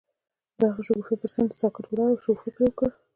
هغه د شګوفه پر څنډه ساکت ولاړ او فکر وکړ.